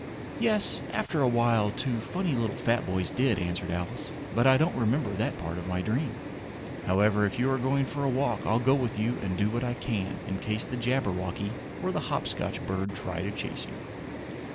"Yes, after a while two funny little fat boys did," answered Alice. "But I don't remember that part of my dream. However, if you are going for a walk I'll go with you and do what I can in case the Jabberwocky or the Hop Scotch bird try to chase you."